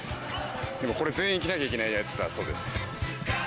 でもこれ、全員着なきゃいけないやつだそうです。